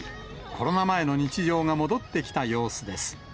コロナ前の日常が戻ってきた様子です。